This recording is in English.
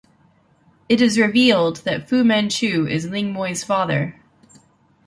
It is revealed that Fu Manchu is Ling Moy's father.